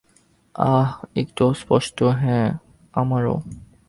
আহ, একটু অস্পষ্ট হ্যাঁ, আমারও।